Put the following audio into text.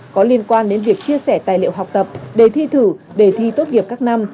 có liên quan đến việc chia sẻ tài liệu học tập đề thi thử đề thi tốt nghiệp các năm